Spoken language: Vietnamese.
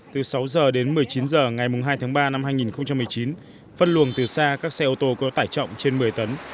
từ sáu h đến một mươi chín h ngày hai tháng ba năm hai nghìn một mươi chín phân luồng từ xa các xe ô tô có tải trọng trên một mươi tấn